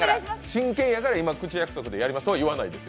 真剣やから今口約束でやりますとは言わない。